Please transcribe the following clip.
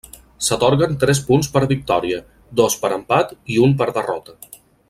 S'atorguen tres punts per victòria, dos per empat i un per derrota.